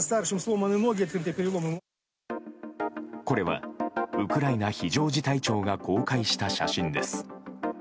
これはウクライナ非常事態庁が公開した写真です。